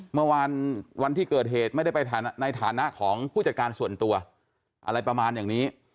เมื่อวานวันที่เกิดเหตุไม่ได้ไปในฐานะของผู้จัดการส่วนตัวอะไรประมาณอย่างนี้